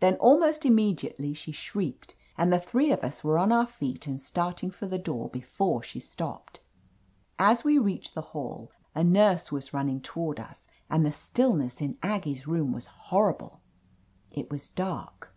Then almost im mediately she shrieked and the three of us were on our feet and starting for the door be fore she stopped. As we reached the hall, a nurse was running toward us, and the stillness in Aggie's room was horrible. It was dark.